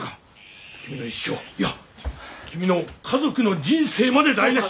君の一生いや君の家族の人生まで台なし。